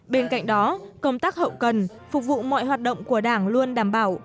bên cạnh đó công tác hậu cần phục vụ mọi hoạt động của đảng luôn đảm bảo